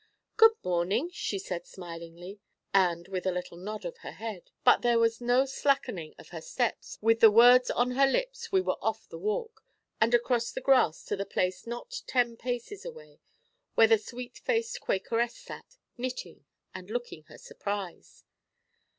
'Good morning,' she said smilingly, and with a little nod of her head. But there was no slackening of her steps; with the words on her lips we were off the walk, and crossing the grass to the place, not ten paces away, where the sweet faced Quakeress sat, knitting and looking her surprise.